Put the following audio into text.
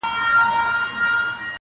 ګیله من له خپل څښتنه له انسان سو -